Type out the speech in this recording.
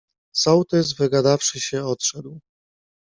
"Sołtys wygadawszy się odszedł."